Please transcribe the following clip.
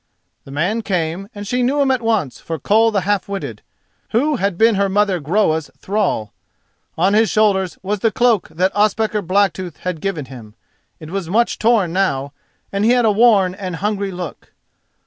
The man came and she knew him at once for Koll the Half witted, who had been her mother Groa's thrall. On his shoulders was the cloak that Ospakar Blacktooth had given him; it was much torn now, and he had a worn and hungry look.